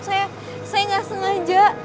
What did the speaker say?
saya gak sengaja